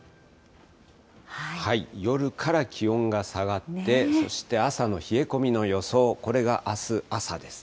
夜から気温が下がって、そして朝の冷え込みの予想、これがあす朝ですね。